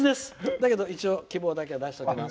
だけど一応希望だけは出しておきます。